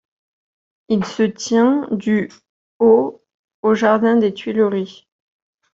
Il se tient du au au jardin des Tuileries.